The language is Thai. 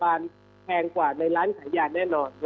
อย่างนั้นเนี่ยถ้าเราไม่มีอะไรที่จะเปรียบเทียบเราจะทราบได้ไงฮะเออ